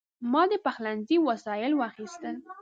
ما د پخلنځي وسایل واخیستل.